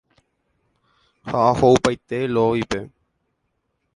Ha ho'upaitevoi Lovípe.